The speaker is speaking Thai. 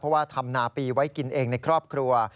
เพราะว่าทำนาปีไว้กินเองในครอบครัว